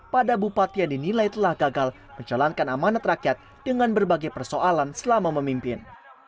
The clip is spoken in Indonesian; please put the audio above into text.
pada bupati yang dinilai telah gagal menjalankan amanat rakyat dengan berbagai persoalan selama memimpin